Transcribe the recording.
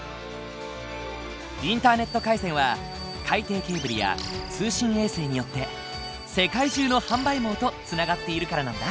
インターネット回線は海底ケーブルや通信衛星によって世界中の販売網とつながっているからなんだ。